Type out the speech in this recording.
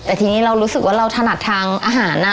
แต่ทีนี้เรารู้สึกว่าเราถนัดทางอาหาร